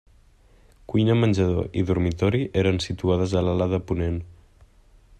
Cuina-menjador i dormitori eren situades a l'ala de ponent.